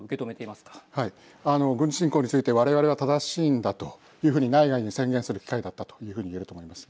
軍事侵攻について我々は正しいんだというふうに内外に宣言する機会だったというふうに言えると思います。